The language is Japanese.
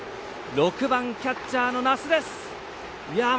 ６番キャッチャーの奈須です。